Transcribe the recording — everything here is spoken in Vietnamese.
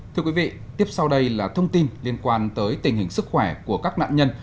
thưa quý vị tiếp sau đây là thông tin liên quan tới tình hình sức khỏe của các nạn nhân